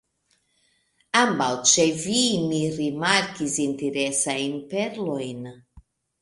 Ankaŭ ĉe vi mi rimarkis interesajn ‘perlojn’.